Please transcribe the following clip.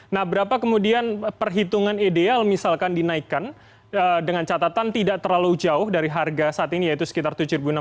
nah berapa kemudian perhitungan ideal misalkan dinaikkan dengan catatan tidak terlalu jauh dari harga saat ini yaitu sekitar tujuh enam ratus